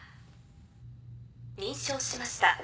認証しました。